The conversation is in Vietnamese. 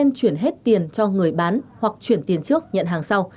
nên chuyển hết tiền cho người bán hoặc chuyển tiền trước nhận hàng sau